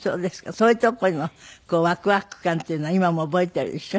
そういうとこのワクワク感というのは今も覚えているでしょ？